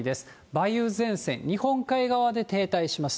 梅雨前線、日本海側で停滞します。